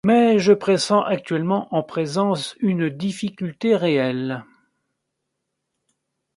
Mais je pressens actuellement en présence une difficulté réelle.